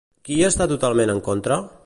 Qui hi està totalment en contra?